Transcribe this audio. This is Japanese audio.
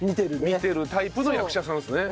見てるタイプの役者さんですね。